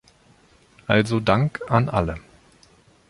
Also Dank an alle.